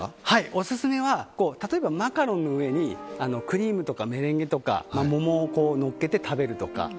オススメは例えばマカロンの上にクリームとかメレンゲとか桃をのっけて食べるとか。